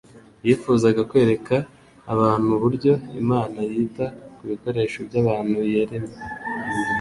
Yifuzaga kwereka abantu uburyo Imana yita ku bikoresho by'abantu yiremeye.